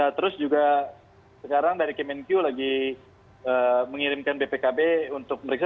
nah ini terus juga sekarang dari kemenkiu lagi mengirimkan bpkb untuk meriksa